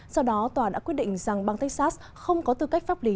sau đó tòa đã quyết định rằng bang texas không có tư cách pháp lý